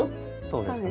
そうです。